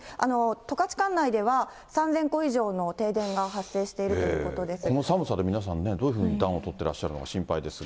十勝管内では３０００戸以上の停この寒さで皆さん、どういうふうに暖をとってらっしゃるのか心配ですが。